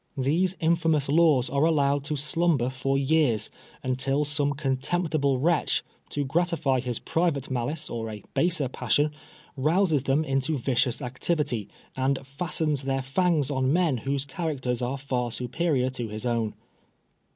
These infamous laws are allowed to slumber for years, until some con temptible wretch, to gratify his private malice or a baser passion, rouses them into vicious activity, and fastens their fangs on men whose characters are far superior to his own.